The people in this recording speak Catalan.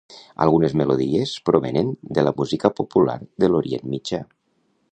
Algunes melodies provenen de la música popular de l'Orient Mitjà.